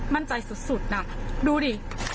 มั่นใจสุดนะดูดิ